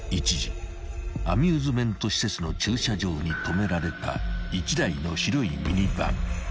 ［アミューズメント施設の駐車場に止められた１台の］